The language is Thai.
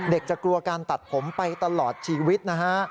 จะกลัวการตัดผมไปตลอดชีวิตนะฮะ